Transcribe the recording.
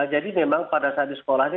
jadi memang pada saat di sekolah ini